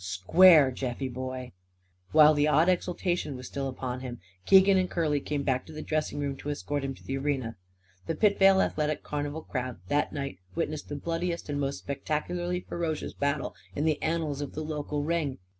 Square, Jeffie, boy!" While the odd exaltation was still upon him Keegan and Curly came back to the dressing room to escort him to the arena. The Pitvale Athletic Carnival crowd that night witnessed the bloodiest and most spectacularly ferocious battle in the annals of the local ring.